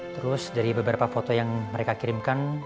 terus dari beberapa foto yang mereka kirimkan